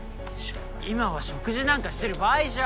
今は食事なんかしてる場合じゃ。